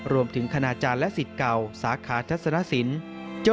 รวมถึงขนาดจานและศิษย์เก่าสาขาทัศนศิลป์